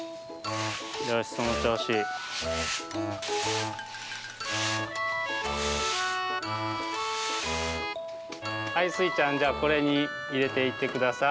よしそのちょうし。はいスイちゃんじゃあこれにいれていってください。